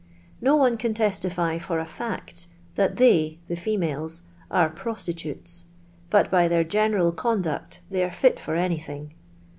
No one can testify, for a &ct, that they (the females) are prostitutes; bnt, by their general conduct, they are fit for anything.